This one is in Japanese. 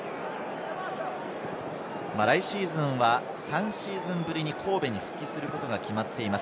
来シーズンは３シーズンぶりに、神戸に復帰することが決まっています。